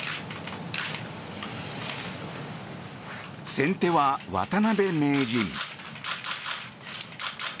先手は渡辺名人。